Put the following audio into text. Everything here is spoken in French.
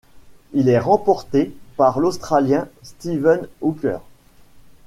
Il est remporté par l'Australien Steven Hooker.